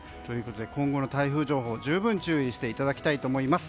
今後の台風情報に十分注意していただきたいと思います。